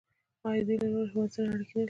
آیا دوی له نورو هیوادونو سره اړیکې نلري؟